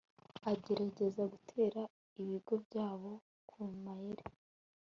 agerageza gutera ibigo byabo ku mayeri